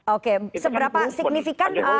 oke seberapa signifikan perannya